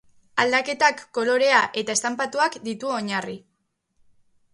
Aldaketak, kolorea eta estanpatuak ditu oinarri.